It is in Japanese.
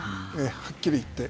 はっきり言って。